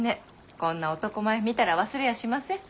こんな男前見たら忘れやしません。